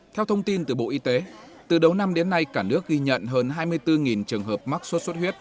theo thông tin từ bộ y tế từ đầu năm đến nay cả nước ghi nhận hơn hai mươi bốn trường hợp mắc sốt xuất huyết